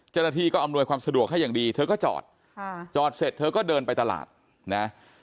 เจ้าหน้าที่ก็อำนวยความสะดวกให้อย่างดีเธอก็จอดจอดเสร็จเธอก็เดินไปตลาดนะ